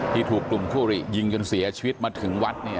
ที่ถูกตุ่มครุ่ลิยิงกันเสียชีวิตมาถึงวัดเนี่ย